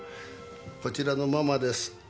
こちらのママです。